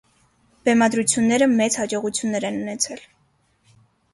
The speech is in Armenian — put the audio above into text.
Բեմադրությունները մեծ հաջողություններ են ունեցել։